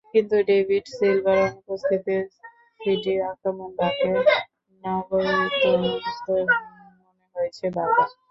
কিন্তু David Silva অনুপস্থিতিতে সিটির আক্রমণ ভাগকে নখদন্তহীন মনে হয়েছে বারবার।